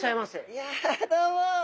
いやどうも。